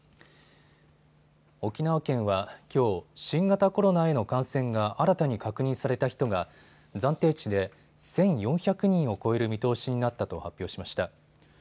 沖縄県は、きょう新型コロナへの感染が新たに確認された人が暫定値で１４００人を超える見通しになったと発表しました。